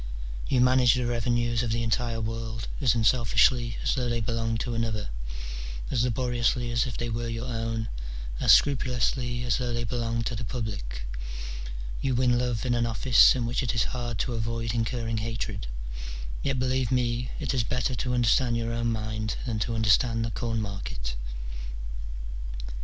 You manage the revenues of the entire world, as unselfishly as though they belonged to another, as laboriously as if they were your own, as scrupulously as though they belonged to the public : you win love in an office in which it is hard to avoid incurring hatred; yet, believe me, it is better to understand your own mind than to understand the corn market.